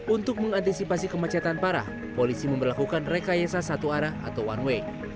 untuk mengantisipasi kemacetan parah polisi memperlakukan rekayasa satu arah atau one way